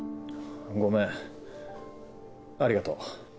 ごめんありがとう。